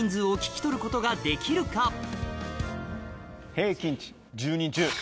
平均値１０人中。